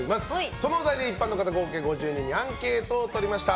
そのお題で一般の方合計５０人にアンケートをとりました。